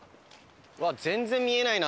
全然見えないな。